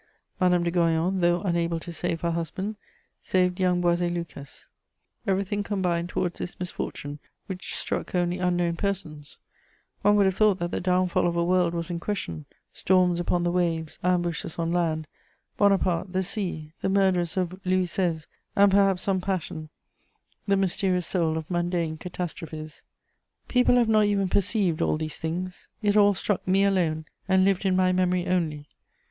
Madame de Goyon, though unable to save her husband, saved young Boisé Lucas. Everything combined towards this misfortune, which struck only unknown persons; one would have thought that the downfall of a world was in question: storms upon the waves, ambushes on land, Bonaparte, the sea, the murderers of Louis XVI., and perhaps some "passion," the mysterious soul of mundane catastrophes. People have not even perceived all these things; it all struck me alone and lived in my memory only.